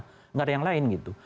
tidak ada yang lain gitu